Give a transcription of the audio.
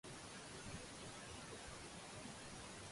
為何一班暴民圍堵一名市民